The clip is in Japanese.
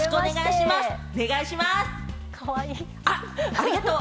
ありがとう！